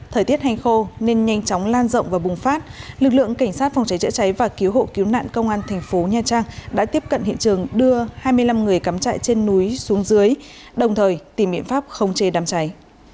thời tiết hành khô nên nhanh chóng lan rộng và bùng phát lực lượng cảnh sát phòng cháy chữa cháy và cứu hộ cứu nạn công an thành phố nha trang đã tiếp cận hiện trường đưa hai mươi năm người cắm chạy trên núi xuống dưới đồng thời tìm miệng pháp không chê đám cháy